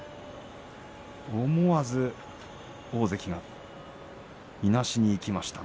思わず大関がいなしにいきました。